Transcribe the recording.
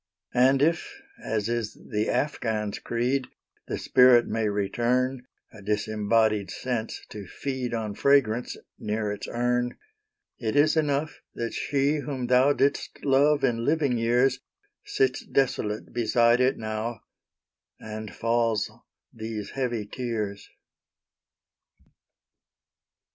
And if, as is the Afghaun's creed, The spirit may return,A disembodied sense to feed, On fragrance, near its urn—It is enough, that she, whom thouDid'st love in living years, Sits desolate beside it now, And falls these heavy tears.